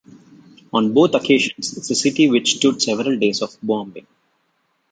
On both occasions, the city withstood several days of bombing.